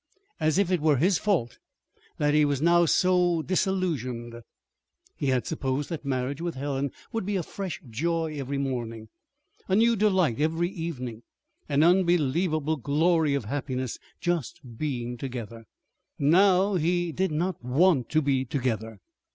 As if it were his fault that he was now so disillusioned! He had supposed that marriage with Helen would be a fresh joy every morning, a new delight every evening, an unbelievable glory of happiness just being together. Now he did not want to be together.